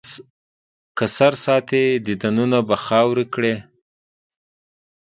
که سر ساتې، دیدنونه به خاورې کړي.